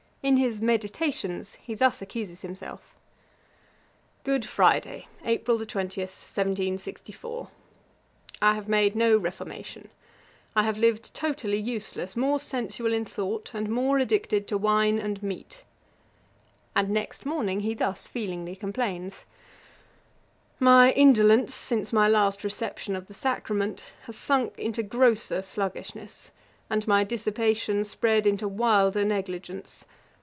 In his Meditations he thus accuses himself: 'Good Friday, April 20, 1764. I have made no reformation; I have lived totally useless, more sensual in thought, and more addicted to wine and meat.' And next morning he thus feelingly complains: 'My indolence, since my last reception of the sacrament, has sunk into grosser sluggishness, and my dissipation spread into wilder negligence.